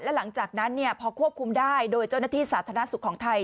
หลังจากนั้นพอควบคุมได้โดยเจ้าหน้าที่สาธารณสุขของไทย